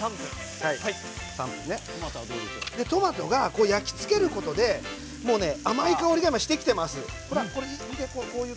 トマトを焼き付けることで甘い香りがしてきています。